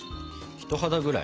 人肌ぐらい？